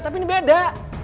tapi ini beda